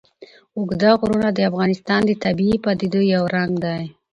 اوږده غرونه د افغانستان د طبیعي پدیدو یو رنګ دی.